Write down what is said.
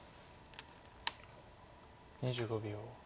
２５秒。